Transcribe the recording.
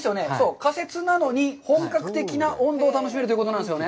仮設なのに、本格的な温度を楽しめるということなんですよね？